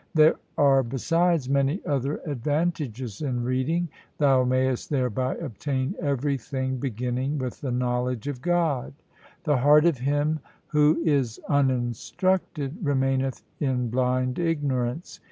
There are besides many other advantages in reading. Thou mayest thereby obtain everything beginning with the knowledge of God. The heart of him who is uninstructed remaineth in blind ignorance.